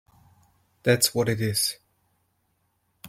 That’s what it is!